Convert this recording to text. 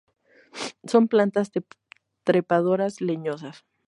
Son plantas trepadoras, leñosas.